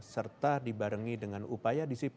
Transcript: serta dibarengi dengan upaya disiplin